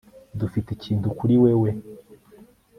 dufite ikintu kuri wewe